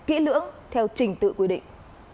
kỹ lưỡng theo trình tự quy định